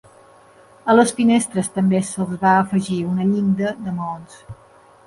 A les finestres també se'ls va afegir una llinda de maons.